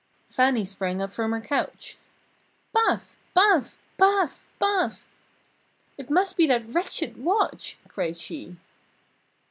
Fannie sprang up from her couch. "Paf! Paf! Paf! Paf!" "It must be that wretched watch!" cried she.